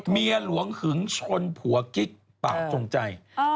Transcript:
เมียหลวงหึงชนผัวกิ๊กปากจงใจ